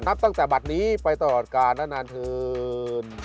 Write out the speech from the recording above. จับตั้งแต่บัตรนี้ไปตรศกาลนานนานเทือน